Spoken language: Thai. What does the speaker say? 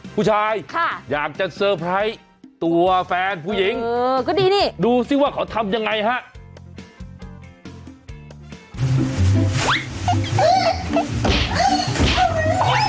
ผู้ชายอยากจะเซอร์ไพรส์ตัวแฟนผู้หญิงดูสิว่าขอทำยังไงฮะค่ะ